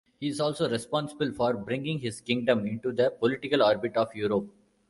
He is also responsible for bringing his kingdom into the political orbit of Europe.